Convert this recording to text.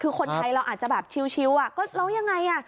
คือคนไทยเราอาจจะแบบชิวก็แล้วยังไงอ่ะ